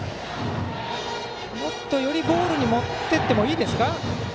よりボールに持っていってもいいですか。